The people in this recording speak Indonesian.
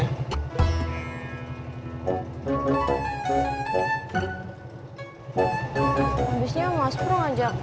abisnya mas pur ngajak